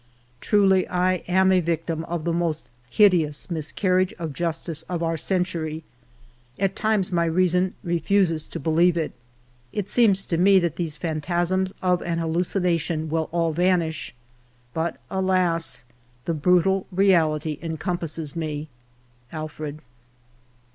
Truly, I am a victim of the most hide ous miscarriage of justice of our century. At times my reason refuses to believe it; it seems to me that these phantasms of an hallucination will all vanish, ... but, alas ! the brutal reality en compasses me. ...• Alfred."